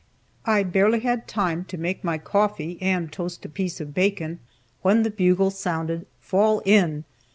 I barely had time to make my coffee and toast a piece of bacon when the bugle sounded "Fall in!"